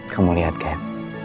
kamu lihat ken